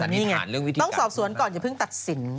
ต้องสอบสนก่อนอย่าเพิ่งตัดสิน